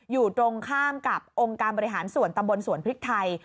อยู่ตรงข้ามกับองค์การบริหารส่วนตำบลสวนพริกไทย